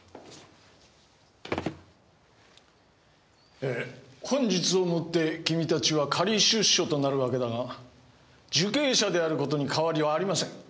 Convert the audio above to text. えぇ本日をもって君たちは仮出所となるわけだが受刑者であることに変わりはありません。